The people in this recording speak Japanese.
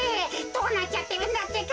どうなっちゃってるんだってか。